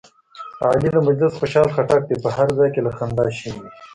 علي د مجلس خوشحال خټک دی، په هر ځای کې له خندا شین وي.